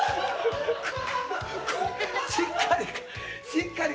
「しっかり。